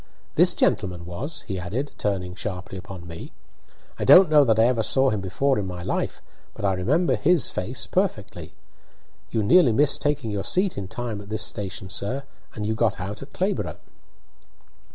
This gentleman was," he added, turning sharply upon me. "I don't know that I ever saw him before in my life, but I remember his face perfectly. You nearly missed taking your seat in time at this station, sir, and you got out at Clayborough."